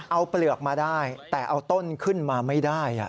เอาเปลือกมาได้แต่เอาต้นขึ้นมาไม่ได้